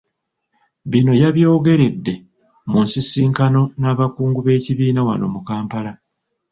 Bino yabyogeredde mu nsisinkano n'abakungu b'ekibiina wano mu Kampala.